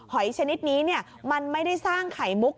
หอยชนิดนี้มันไม่ได้สร้างไข่มุก